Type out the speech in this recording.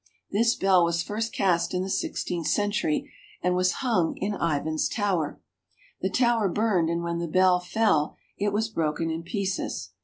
This bell was first cast in the sixteenth century, and was hung in Ivan's Tower. The tower burned, and when the bell fell it was broken in pieces.